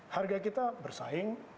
harga kita bersaing